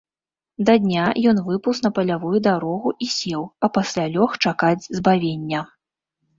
Да дня ён выпаўз на палявую дарогу і сеў, а пасля лёг чакаць збавення.